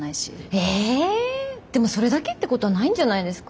えでもそれだけってことはないんじゃないですか？